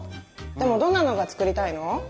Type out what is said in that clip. でもどんなのが作りたいの？